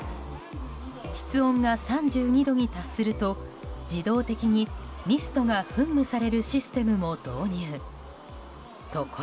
室温が３２度に達すると自動的にミストが噴霧されるシステムも導入。